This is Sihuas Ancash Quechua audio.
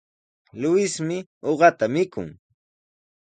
Luismi uqata mikun.